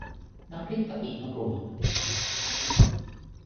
น้ำพริกกะปิมะกรูด